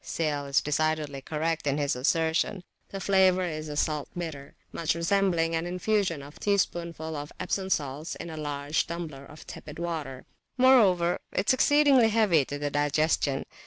Sale is decidedly correct in his assertion: the flavour is a salt bitter, much resembling an infusion of a teaspoonful of Epsom salts in a large tumbler of tepid water. Moreover, it is exceedingly heavy to the digestion.